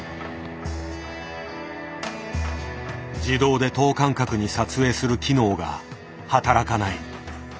自動で等間隔に撮影する機能が働かない。